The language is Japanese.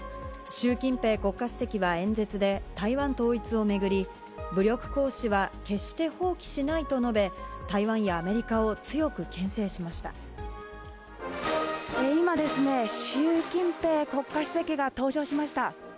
習近平国家主席は演説で台湾統一を巡り、武力行使は決して放棄しないと述べ、台湾やアメリカを強くけん制今、習近平国家主席が登場しました。